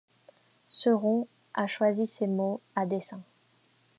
Seron a choisi ces noms à dessein.